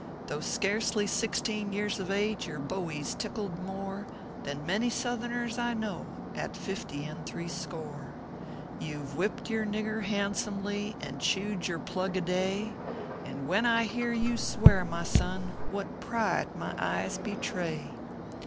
Though scarcely sixteen years of age, Your bowie s tickled more Than many Southerners I know At fifty and three score. You ve whipped your nigger handsomely, And chewed your plug a day; And when I hear you swear, my son, What pride my eyes betray